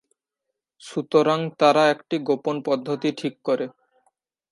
সুতরাং তারা একটি গোপন পদ্ধতি ঠিক করে।